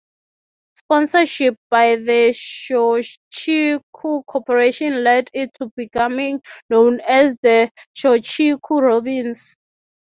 Sponsorship by the Shochiku Corporation led to it becoming known as the Shochiku Robins.